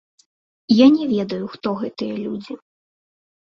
Я не ведаю, хто гэтыя людзі.